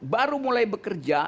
baru mulai bekerja